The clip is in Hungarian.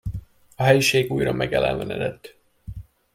A helyiség újra megelevenedett.